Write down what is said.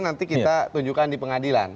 nanti kita tunjukkan di pengadilan